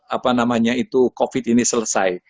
apa namanya itu covid ini selesai